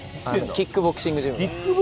キックボクシングジム？